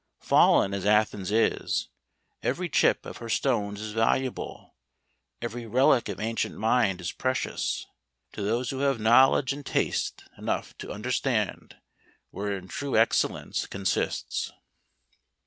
Fallen as Athens is, every chip of her stones is valuable ; every relic of ancient mind is precious, to those who have knowledge and taste GREECE. 41 / enough to understand wherein true Excellence consists.